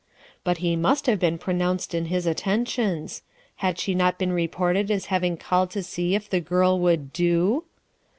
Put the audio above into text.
But he must have been pronounced in his attentions. Had she not been reported as having called to see if the girl would "do"?